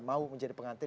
mau menjadi pengantin